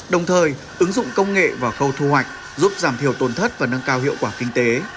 đồng thời ứng dụng công nghệ và khâu thu hoạch giúp giảm thiểu tồn thất và nâng cao hiệu quả kinh tế